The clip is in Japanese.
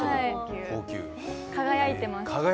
輝いています。